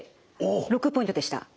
６ポイントでした。